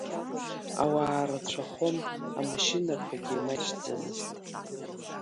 Ауаа рацәахон, амашьынақәагьы маҷӡамызт.